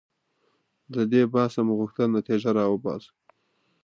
له دې بحثه مو غوښتل نتیجه راوباسو.